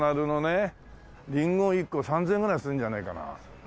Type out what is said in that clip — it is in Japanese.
リンゴ１個３０００円ぐらいするんじゃないかな。